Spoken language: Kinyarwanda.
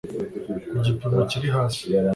ku gipimo kiri hasi